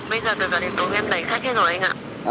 bây giờ từ giờ đến tối em đầy khách hết rồi anh ạ